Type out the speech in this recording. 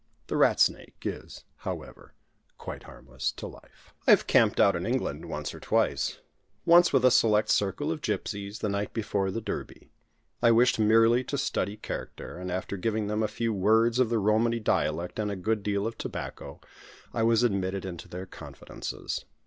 The rat snake is, however, quite harmless to life. I have "camped out" in England once or twice; once with a select circle of gipsies, the night before the Derby. I wished merely to study character; and, after giving them a few words of the Romany dialect, and a good deal of tobacco, I was admitted into their confidences.